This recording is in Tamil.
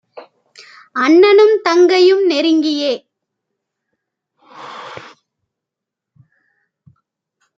அண்ண னும்தங் கையும் நெருங்கியே